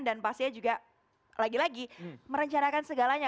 pastinya juga lagi lagi merencanakan segalanya